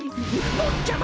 ぼっちゃま！